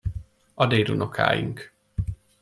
A dédunokáink.